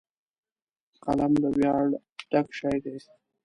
قلم له ویاړه ډک شی دی